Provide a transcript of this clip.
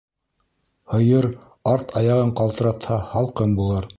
Һыйыр арт аяғын ҡалтыратһа, һалҡын булыр.